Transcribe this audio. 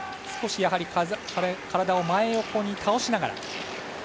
少し体を真横に倒しながら。